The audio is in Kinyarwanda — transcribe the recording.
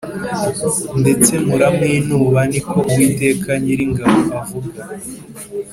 ndetse murawinuba ni ko Uwiteka Nyiringabo avuga